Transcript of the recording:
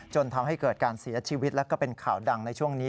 จนทำให้เกิดการเสียชีวิตและก็เป็นข่าวดังในช่วงนี้